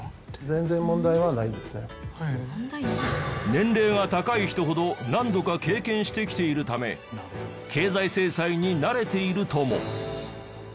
年齢が高い人ほど何度か経験してきているため経済制裁に慣れているとも。